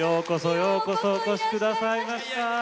ようこそおいでくださいました。